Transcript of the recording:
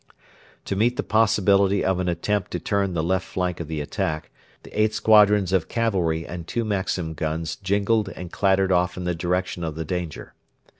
To meet the possibility of an attempt to turn the left flank of the attack, the eight squadrons of cavalry and two Maxim guns jingled and clattered off in the direction of the danger.